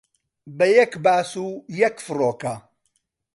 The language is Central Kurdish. بە یەک باس و یەک فڕۆکە